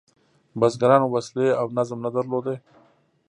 بزګرانو وسلې او نظم نه درلود.